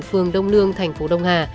phường đông lương tp đông hà